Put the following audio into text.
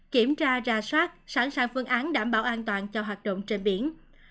kiểm tra ra soát sẵn sàng phương án đảm bảo an toàn cho hoạt động trên biển